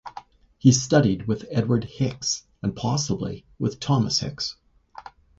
He studied with Edward Hicks, and possibly with Thomas Hicks.